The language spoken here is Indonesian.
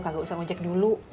kagak usah ngojek dulu